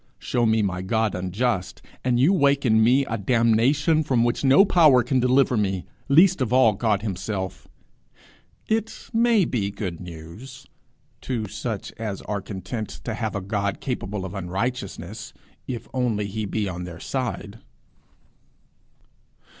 Show me my God unjust, and you wake in me a damnation from which no power can deliver me least of all God himself. It may be good news to such as are content to have a God capable of unrighteousness, if only he be on their side!